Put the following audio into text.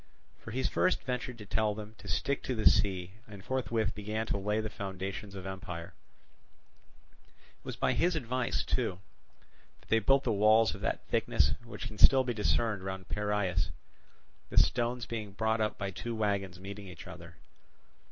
For he first ventured to tell them to stick to the sea and forthwith began to lay the foundations of the empire. It was by his advice, too, that they built the walls of that thickness which can still be discerned round Piraeus, the stones being brought up by two wagons meeting each other.